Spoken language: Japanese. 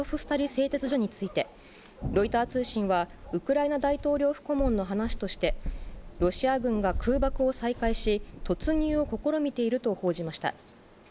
製鉄所について、ロイター通信は、ウクライナ大統領府顧問の話として、ロシア軍が空爆を再開し、突入を試みていると報じました。